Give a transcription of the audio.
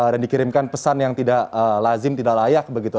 dan dikirimkan pesan yang tidak lazim tidak layak begitu